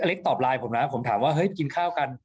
เล็กตอบไลน์ผมนะผมถามว่าเฮ้ยกินข้าวกัน